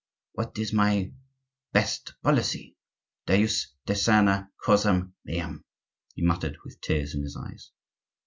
What is my best policy? Deus, discerne causam meam!" he muttered with tears in his eyes.